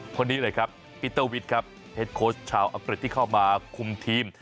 คนนี้เลยครับปีเตอร์วิทย์ครับเฮ็ดโค้ชชาวอังกฤษที่เข้ามาคุมทีม